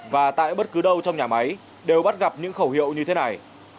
và tại bất cứ đâu trong nhà máy đều bắt gặp những khẩu hiệu như thế này